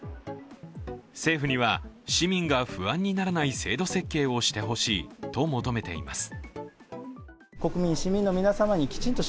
政府には市民が不安にならない制度設計をしてほしいと求めています。